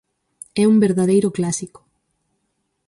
É un verdadeiro clásico.